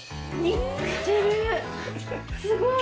すごい！